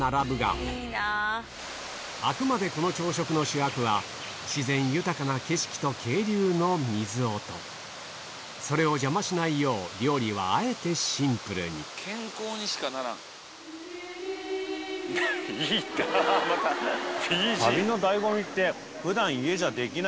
あくまでこの朝食の主役は自然豊かな景色と渓流の水音それを邪魔しないよう料理はあえてシンプルに『君をのせて』旅の醍醐味って。